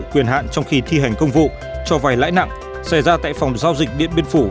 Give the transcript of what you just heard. quyền hạn trong khi thi hành công vụ cho vay lãi nặng xảy ra tại phòng giao dịch điện biên phủ